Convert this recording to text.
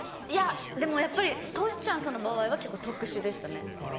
いや、でもやっぱり、俊ちゃんさんの場合は結構、特殊でしたね。